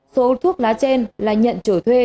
số thuốc lá trên là nhận trở thuê